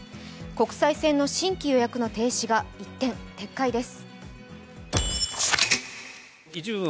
国際線の新規予約の停止が一転、撤回です。